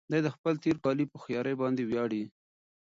دی د خپل تېرکالي په هوښيارۍ باندې ویاړي.